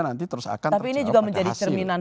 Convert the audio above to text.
nanti terus akan tapi ini juga menjadi cerminan